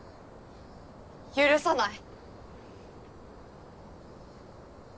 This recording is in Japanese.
許さない。